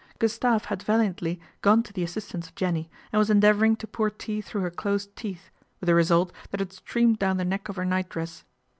Gustave had valiantly gone to the assistance of Jenny, and was endeavouring to pour tea through her closed teeth, with the result that it streamed down the neck of her nightdress.